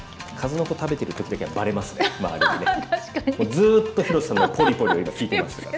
ずっと廣瀬さんのポリポリを今聞いてましたから。